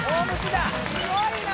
だすごいな！